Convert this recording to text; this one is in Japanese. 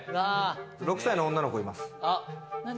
６歳の女の子います。